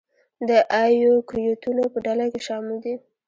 د ایوکریوتونو په ډله کې شامل دي.